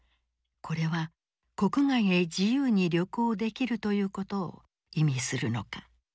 これは国外へ自由に旅行できるということを意味するのか。